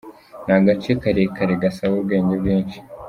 Ni agace karekare gasaba ubwenge bwinshi.